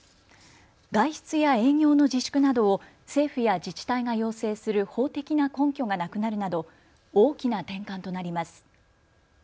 外出や営業の自粛などを政府や自治体が要請する法的な根拠がなくなるなど大きな転換となります。